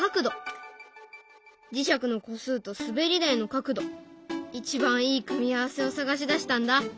磁石の個数と滑り台の角度一番いい組み合わせを探し出したんだ。